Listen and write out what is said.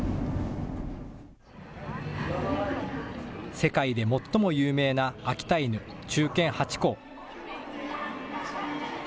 世界で最も有名な秋田犬、忠犬ハチ公。